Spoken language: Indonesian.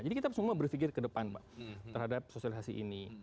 jadi kita semua berpikir ke depan pak terhadap sosialisasi ini